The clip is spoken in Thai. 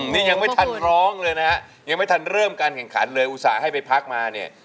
นี่ยังไม่ทันร้องเลยนะฮะยังไม่ทันเริ่มการแข่งขันเลยอุตส่าห์ให้ไปพักมาเนี่ย